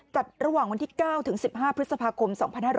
จัดระหว่างวันที่๙ถึง๑๕พฤษภาคม๒๕๕๙